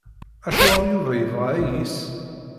Acuɣer Yuba yebɣa ayis?